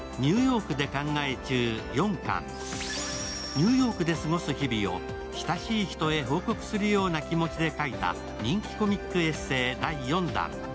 ニューヨークで過ごす日々を親しい人へ報告するような気持ちで書いた人気コミックエッセー第４弾。